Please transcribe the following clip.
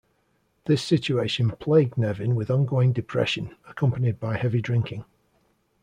This situation plagued Nevin with ongoing depression, accompanied by heavy drinking.